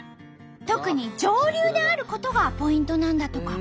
特に上流であることがポイントなんだとか。